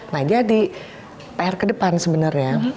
nah jadi pr ke depan sebenarnya